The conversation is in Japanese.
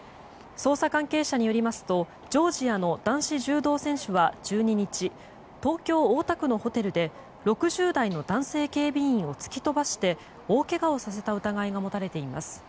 捜査関係者によりますとジョージアの男子柔道選手は１２日、東京・大田区のホテルで６０代の男性警備員を突き飛ばして大けがをさせた疑いが持たれています。